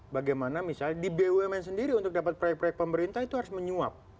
bagaimana misalnya di bumn sendiri untuk dapat proyek proyek pemerintah itu harus menyuap